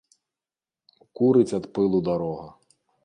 Курыць ад пылу дарога.